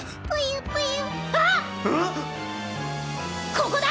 ここだ。